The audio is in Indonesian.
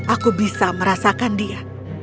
aku bisa merasakan dia